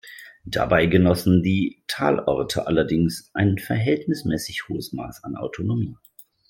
Dabei genossen die Talorte allerdings ein verhältnismäßig hohes Maß an Autonomie.